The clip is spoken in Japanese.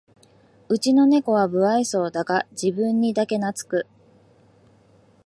うちのネコは無愛想だが自分にだけなつく